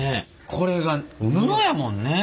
これが布やもんね。